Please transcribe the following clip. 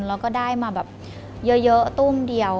แล้วก็ได้มาแบบเยอะตุ้มเดียว